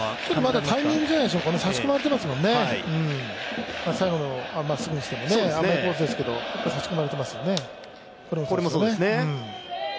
まだタイミングじゃないでしょうか、差し込まれていますよね、最後のまっすぐにしても甘いコースですけどやっぱり、差し込まれてますよね。